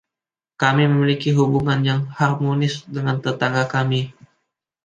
Kami memiliki hubungan yang harmonis dengan tetangga kami.